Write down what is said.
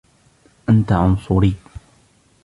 أنت عُنصري.